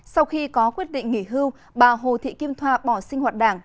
sau khi có quyết định nghỉ hưu bà hồ thị kim thoa bỏ sinh hoạt đảng